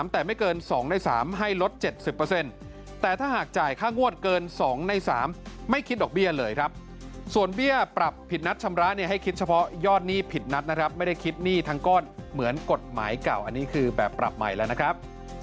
แต่ไม่เกิน๒ใน๓ให้ลด๗๐แต่ถ้าหากจ่ายค่างวดเกิน๒ใน๓ไม่คิดดอกเบี้ยเลยครับส่วนเบี้ยปรับผิดนัดชำระเนี่ยให้คิดเฉพาะยอดหนี้ผิดนัดนะครับไม่ได้คิดหนี้ทั้งก้อนเหมือนกฎหมายเก่าอันนี้คือแบบปรับใหม่แล้วนะครับ